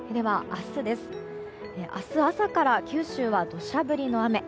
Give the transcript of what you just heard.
明日朝から九州は土砂降りの雨。